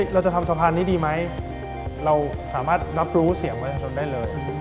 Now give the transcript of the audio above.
เราจะทำสะพานนี้ดีไหมเราสามารถรับรู้เสียงประชาชนได้เลย